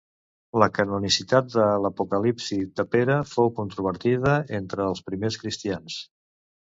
La canonicitat de l'Apocalipsi de Pere fou controvertida entre els primers cristians.